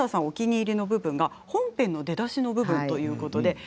お気に入りの部分が本編の出だしの部分ということで。